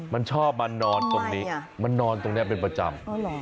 มันชอบมานอนตรงนี้มันนอนตรงนี้เป็นประจำ